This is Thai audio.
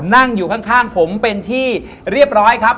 นั่งอยู่ข้างผมเป็นที่เรียบร้อยครับ